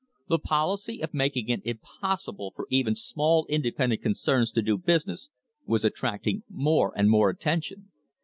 The policy of making it impossible for even small independent concerns to do business was attracting more and more attention.